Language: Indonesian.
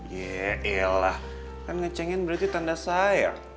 yeelah kan ngecengin berarti tanda sayang